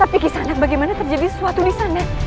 tapi kisana bagaimana terjadi sesuatu di sana